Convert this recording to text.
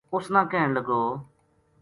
اُس نا کہن لگو